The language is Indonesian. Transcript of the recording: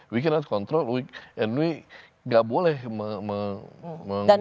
kita tidak bisa mengawasi dan kita tidak boleh mengamalkan mereka